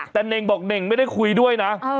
แต่เน่งบอกเน่งไม่ได้คุยด้วยนะ